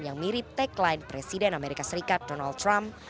yang mirip tagline presiden amerika serikat donald trump